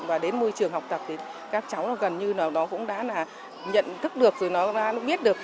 và đến môi trường học tập thì các cháu gần như nó cũng đã là nhận thức được rồi nó đã biết được